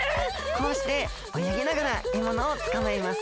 こうしておよぎながらえものをつかまえます。